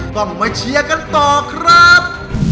ต้องมาเชียร์กันต่อครับ